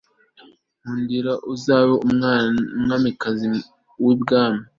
nkundira uzabe umwami kazi wubwami